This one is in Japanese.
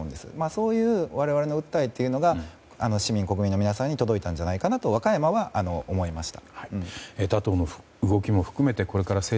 その我々の訴えが市民、国民の皆様に届いたんじゃないかなと和歌山は思いました。